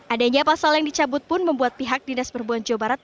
adanya pasal yang dicabut pun membuat pihak dinas perhubungan jawa barat